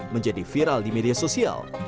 menjadi viral di media sosial